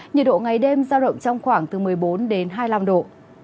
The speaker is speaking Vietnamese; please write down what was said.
nhiệt độ ngày đêm giao động trong khoảng một mươi bốn hai mươi năm độ